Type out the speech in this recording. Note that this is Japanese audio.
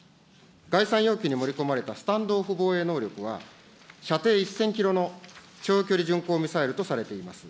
概算要求に盛り込まれたスタンド・オフ防衛能力は、射程１０００キロの長距離巡航ミサイルとされています。